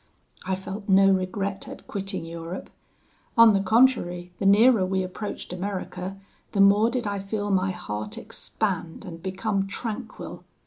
I felt no regret at quitting Europe; on the contrary, the nearer we approached America, the more did I feel my heart expand and become tranquil.